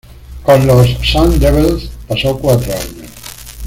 Con los Sun Devils pasó cuatro años.